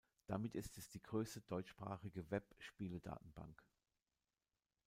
Damit ist es die größte deutschsprachige Web-Spieledatenbank.